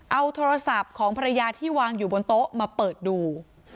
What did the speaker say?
เอาโทรศัพท์ของภรรยาที่วางอยู่บนโต๊ะมาเปิดดู